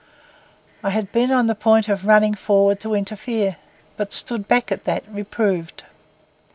I had been on the point of running forward to interfere, but stood back at that, reproved.